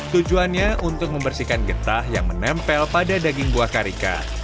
tujuannya untuk membersihkan getah yang menempel pada daging buah karika